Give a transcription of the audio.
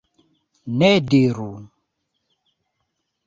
Ne diru!